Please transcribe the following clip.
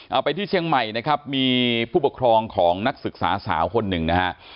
เอาไปที่เชียงใหม่นะครับมีผู้ปกครองของนักศึกษาสาวคนหนึ่งนะฮะ